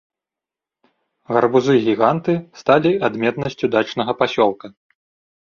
Гарбузы-гіганты сталі адметнасцю дачнага пасёлка.